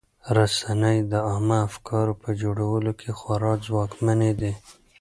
رسنۍ د عامه افکارو په جوړولو کې خورا ځواکمنې دي.